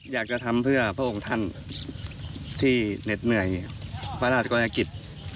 อยากจะทำเพื่อพระองค์ท่านที่เหน็ดเหนื่อยพระราชกรณกิจ